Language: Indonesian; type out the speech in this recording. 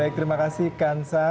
terima kasih kansa